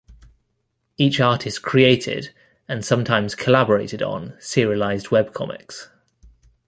Each artist created, and sometimes collaborated on, serialized webcomics.